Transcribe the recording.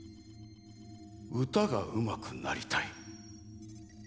「うたがうまくなりたい」。